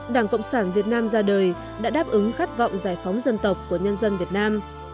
đảng cộng sản việt nam ra đời đã đáp ứng khát vọng giải phóng dân tộc của nhân dân việt nam